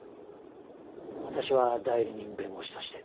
私は代理人弁護士として。